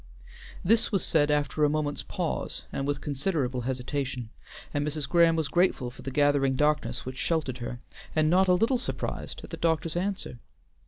This was said after a moment's pause, and with considerable hesitation, and Mrs. Graham was grateful for the gathering darkness which sheltered her, and not a little surprised at the doctor's answer.